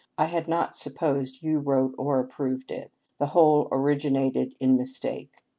I had not supposed you wrote or approved it. The whole originated in mistake.